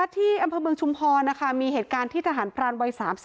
ที่อำศิกาบึงชุมพรนะคะมีเหตุการณ์ที่ทหารพรานวัย๓๒